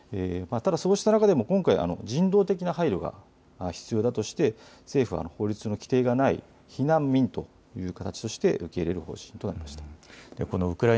ただそうした中でも今回人道的な配慮が必要だとして政府は法律の規定がない避難民という形として受け入れる方針となりました。